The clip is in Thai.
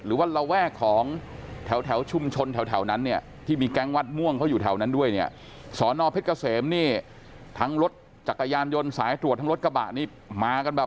ระแวกของแถวชุมชนแถวนั้นเนี่ยที่มีแก๊งวัดม่วงเขาอยู่แถวนั้นด้วยเนี่ยสอนอเพชรเกษมนี่ทั้งรถจักรยานยนต์สายตรวจทั้งรถกระบะนี่มากันแบบ